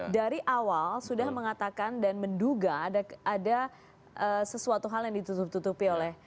dari awal sudah mengatakan dan menduga ada sesuatu hal yang ditutup tutupi oleh